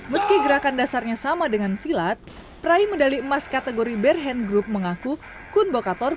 meski gerakan dasarnya sama dengan silat raih medali emas kategori berhen grup mengaku kumbhokator